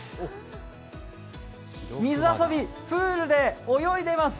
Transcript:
水遊び、プールで泳いでます。